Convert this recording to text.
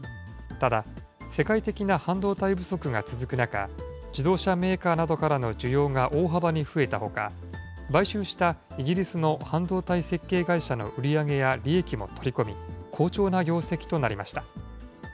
ただ、世界的な半導体不足が続く中、自動車メーカーなどからの需要が大幅に増えたほか、買収したイギリスの半導体設計会社の売り上げや利益も取り込み、好調な業績となりました。